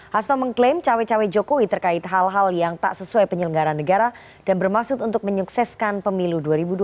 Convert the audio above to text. hasto mengklaim cawe cawe jokowi terkait hal hal yang tak sesuai penyelenggaran negara dan bermaksud untuk menyukseskan pemilu dua ribu dua puluh